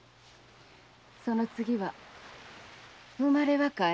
その次は「生まれは？」かい？